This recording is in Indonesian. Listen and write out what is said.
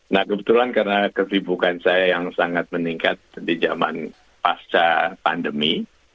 nah kebetulan karena kefibukan saya yang sangat meningkat di zaman pasca pandemi